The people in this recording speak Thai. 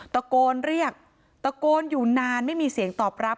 ตะโกนเรียกตะโกนอยู่นานไม่มีเสียงตอบรับ